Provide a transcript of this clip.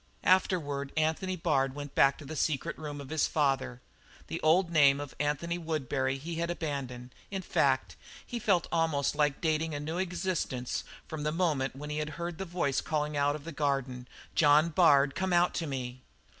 Afterward Anthony Bard went back to the secret room of his father. The old name of Anthony Woodbury he had abandoned; in fact, he felt almost like dating a new existence from the moment when he heard the voice calling out of the garden: "John Bard, come out to me!"